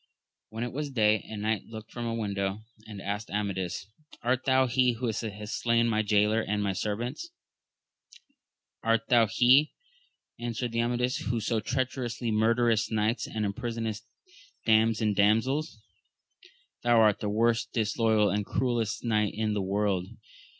When it was day, a knight looked from a window and asked Amadis, Art thou he who hast slain my jaylor and my servants? Art thou he, answered Amadis, who so treacherously murderest knights and imprisonest dames and damsels? thou art the most disloyal and cruellest knight in the world